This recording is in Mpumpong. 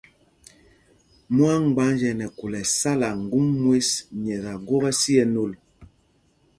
Mwâmgbánj ɛ nɛ khûl ɛsala ŋgum mwes nyɛ ta gwok ɛsi ɛ nôl.